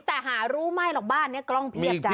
แต่หารู้ไม่หรอกบ้านนี้กล้องเพียบจ้